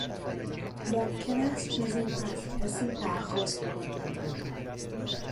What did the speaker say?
ممکن است چیزی را از کسی درخواست کنیم